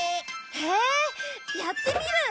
へえやってみる！